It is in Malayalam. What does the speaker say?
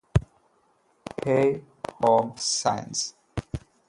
hey home science